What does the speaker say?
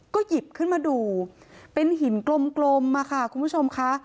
ก็หยิบขึ้นมาดูเป็นหินกลมมาค่ะคุณผู้ชมค่ะ